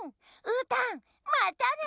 うーたんまたね。